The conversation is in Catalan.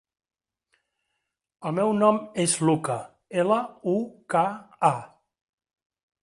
El meu nom és Luka: ela, u, ca, a.